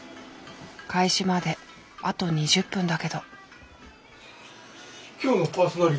開始まであと２０分だけど。